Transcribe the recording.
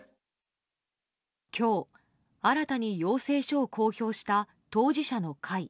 今日、新たに要請書を公表した当事者の会。